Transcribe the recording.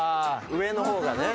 上の方がね。